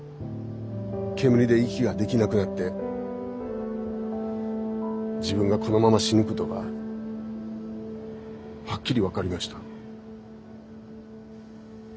煙で息ができなくなって自分がこのまま死ぬことがはっきり分かりました。